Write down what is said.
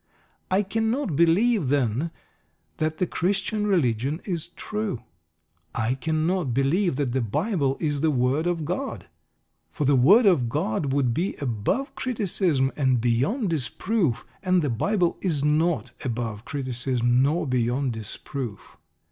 I cannot believe, then, that the Christian religion is true. I cannot believe that the Bible is the word of God. For the word of God would be above criticism and beyond disproof, and the Bible is not above criticism nor beyond disproof.